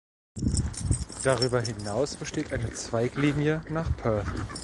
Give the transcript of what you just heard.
Darüber hinaus besteht eine Zweiglinie nach Perth.